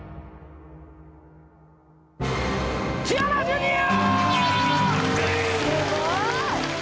すごい！